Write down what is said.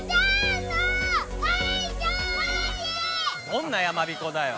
どんなやまびこだよ。